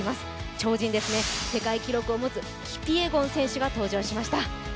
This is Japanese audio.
超人ですね、世界記録を持つキピエゴン選手が登場しました。